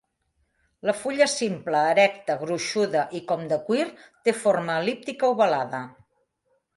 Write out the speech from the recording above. La fulla simple, erecta, gruixuda i com de cuir, té forma el·líptica-ovalada.